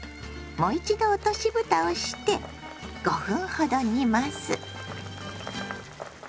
もう一度落としぶたをして５分ほど煮ます。